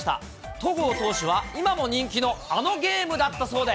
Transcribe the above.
戸郷投手は、今も人気のあのゲームだったそうで。